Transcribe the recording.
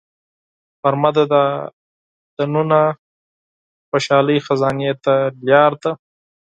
غرمه د داخلي خوشحالۍ خزانې ته لار ده